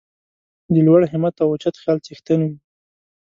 د لوړ همت او اوچت خیال څښتن وي.